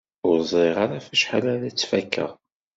Ur ẓriɣ ara ɣef wacḥal ara tt-fakeɣ!